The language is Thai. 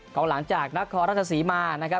ข้างหลังจากนักคอราชสีมานะครับ